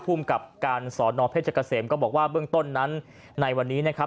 ภูมิกับการสอนอเพชรเกษมก็บอกว่าเบื้องต้นนั้นในวันนี้นะครับ